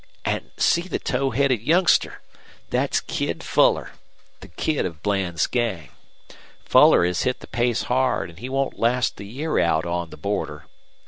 An' see the tow headed youngster. Thet's Kid Fuller, the kid of Bland's gang. Fuller has hit the pace hard, an' he won't last the year out on the border.